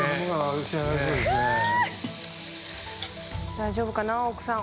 大丈夫かな奥さん。